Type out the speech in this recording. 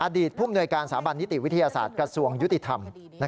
อดีตภูมิโนยการสามารถนิติวิทยาศาสตร์กระทรวงยุติธรรม